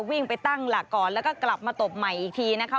วิ่งไปตั้งหลักก่อนแล้วก็กลับมาตบใหม่อีกทีนะคะ